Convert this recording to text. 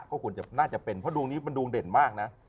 ก็ควรจะน่าจะเป็นเพราะดวงนี้มันดวงเด่นมากนะ